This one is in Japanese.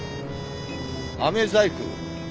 あめ細工